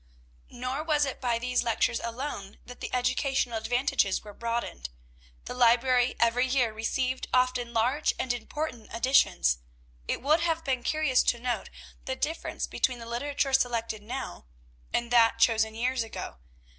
Nor was it by these lectures alone that the educational advantages were broadened. The library every year received often large and important additions. It would have been curious to note the difference between the literature selected now, and that chosen years ago.